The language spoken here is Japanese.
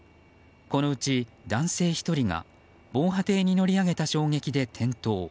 このうち男性１人が防波堤に乗り上げた衝撃で転倒。